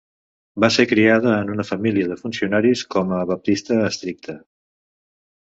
Va ser criada en una família de funcionaris com a Baptista estricte.